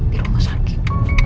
di rumah sakit